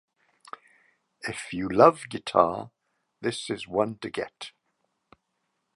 If you love guitar, this is one to get!